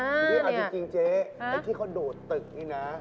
ทีนี้เอาจริงเจ๊ไอ้ที่เขาโดดตึกนี่นะ